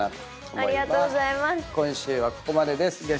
今週はここまでです。